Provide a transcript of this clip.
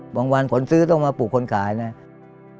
บางวันผมซื้อต้องมาปลุกคนขายนะ